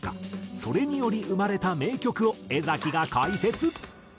それにより生まれた名曲を江が解説。